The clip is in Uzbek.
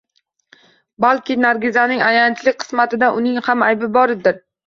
Balki Nargizaning ayanchli qismatida uning ham aybi bordir